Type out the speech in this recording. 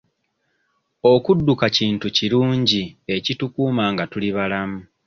Okudduka kintu kirungi ekitukuuma nga tuli balamu.